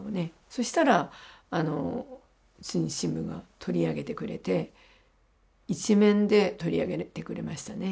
そしたら中日新聞が取り上げてくれて一面で取り上げてくれましたね